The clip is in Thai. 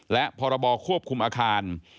และพรบควบคุมอาคาร